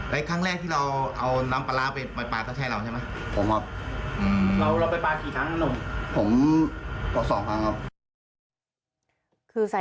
แล้วครั้งแรกที่เราเอาน้ำปลาร้าไปปลาเท่าใช่หรือไม่